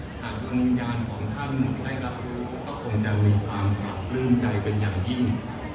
ถ้ากลุงยานของท่านได้รับรู้ก็คงจะมีความกลับรื่นใจเป็นอย่างยิ่ง